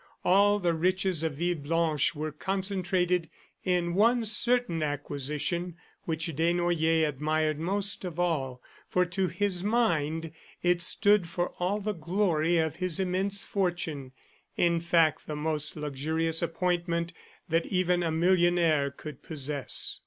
All the riches of Villeblanche were concentrated in one certain acquisition which Desnoyers admired most of all; for, to his mind, it stood for all the glory of his immense fortune in fact, the most luxurious appointment that even a millionaire could possess.